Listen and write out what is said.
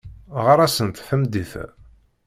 Ɣer-asent tameddit-a.